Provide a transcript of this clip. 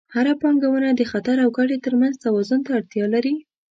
هره پانګونه د خطر او ګټې ترمنځ توازن ته اړتیا لري.